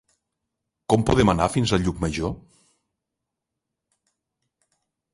Com podem anar fins a Llucmajor?